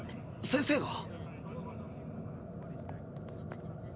先生が？